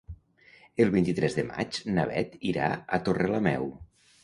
El vint-i-tres de maig na Beth irà a Torrelameu.